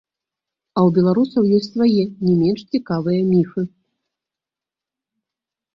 А ў беларусаў ёсць свае не менш цікавыя міфы!